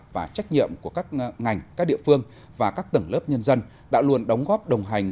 và trách nhiệm của các ngành các địa phương và các tầng lớp nhân dân đã luôn đóng góp đồng hành